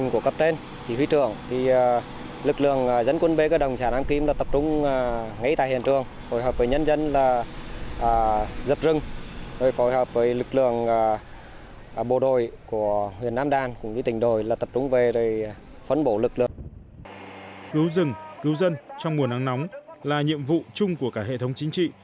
cứu rừng cứu dân trong mùa nắng nóng là nhiệm vụ chung của cả hệ thống chính trị